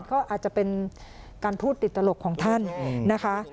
ก็อาจจะเป็นการพูดติดตลกของท่านนะคะ